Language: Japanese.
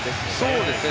そうですね。